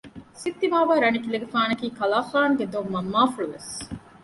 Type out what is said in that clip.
ސިއްތިމާވާ ރަނިކިލެގެފާނަކީ ކަލާފާނުގެ ދޮންމަންމާފުޅު ވެސް